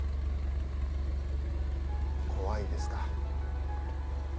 怖いですか？